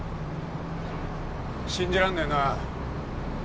信じらんねえな。